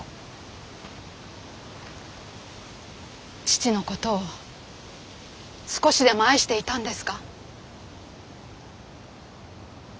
父のことを少しでも愛していたんですか？